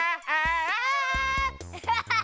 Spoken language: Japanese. ハハハハ！